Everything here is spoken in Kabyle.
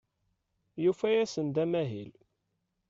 Yufa-asen-d amahil.